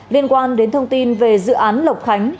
liên quan đến thông tin về dự án lộc khánh